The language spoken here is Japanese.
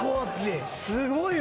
すごいわ。